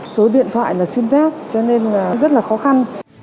số điện thoại là xin giác cho nên rất là khó khăn